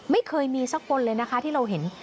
ไม่เคยมีสักคนเลยนะคะที่เราเห็น